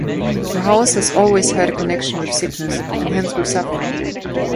The house has always had a connection with sickness, and hence with suffering.